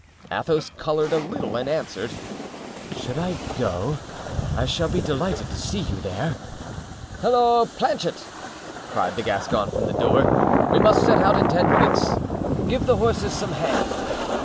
Athos colored a little and answered: "Should I go, I shall be delighted to see you there." "Halloo, Planchet!" cried the Gascon from the door, "we must set out in ten minutes; give the horses some hay."